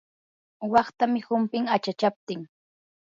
waqtamii humpin achachaptin.